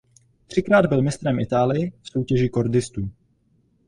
Třikrát byl mistrem Itálie v soutěži kordistů.